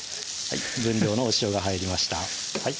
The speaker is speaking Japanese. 分量のお塩が入りました